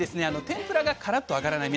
天ぷらがカラッと揚がらない。